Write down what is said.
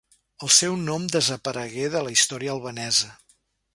El seu nom desaparegué de la història albanesa.